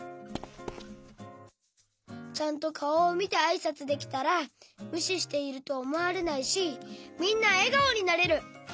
ちゃんとかおをみてあいさつできたらむししているとおもわれないしみんなえがおになれる。